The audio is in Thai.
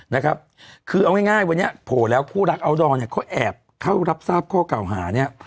นะครับคือเอาง่ายวันนี้โผล่แล้วคู่รักอัลดอร์เนี่ยเขาแอบเข้ารับทราบข้อเก่าหาเนี่ย